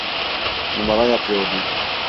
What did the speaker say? Numara yapıyordum.